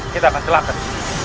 kita akan selamatkan